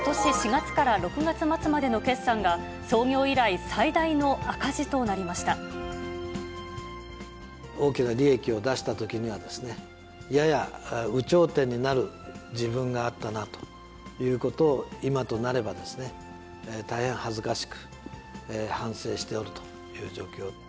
４月から６月末までの決算が、創業以来、最大の赤字となりまし大きな利益を出したときには、やや有頂天になる自分があったなということを、今となればですね、大変恥ずかしく、反省しておるという状況。